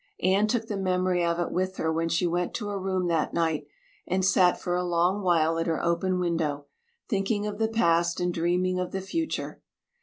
Anne took the memory of it with her when she went to her room that night and sat for a long while at her open window, thinking of the past and dreaming of the future.